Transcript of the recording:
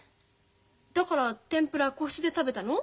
だから天ぷら個室で食べたの？